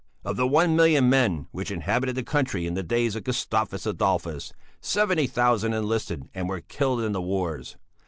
Of the one million men which inhabited the country in the days of Gustavus Adolphus, seventy thousand enlisted and were killed in the wars.